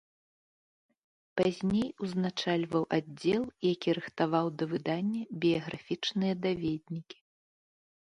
Пазней узначальваў аддзел, які рыхтаваў да выдання біяграфічныя даведнікі.